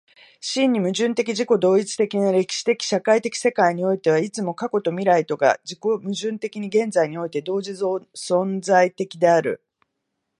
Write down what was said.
真に矛盾的自己同一的な歴史的社会的世界においては、いつも過去と未来とが自己矛盾的に現在において同時存在的である。